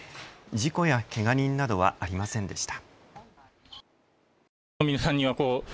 事故やけが人などはありませんでした。